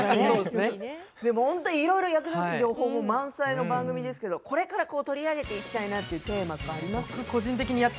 本当にいろんな役立つ情報満載の番組ですけどこれから取り上げていきたいテーマがありますか。